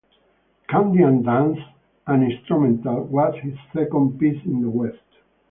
"Kandyan Dance", an instrumental, was his second piece in the West.